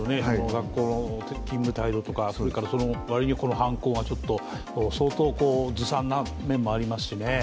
学校の勤務態度とか、割に犯行が相当ずさんな面もありますしね。